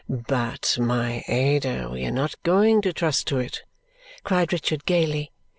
"But, my Ada, we are not going to trust to it!" cried Richard gaily.